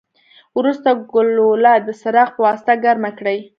وروسته ګلوله د څراغ پواسطه ګرمه کړئ.